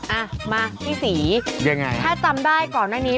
อ่ะมาพี่ศรียังไงถ้าจำได้ก่อนหน้านี้